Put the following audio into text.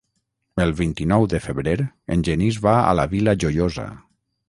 El vint-i-nou de febrer en Genís va a la Vila Joiosa.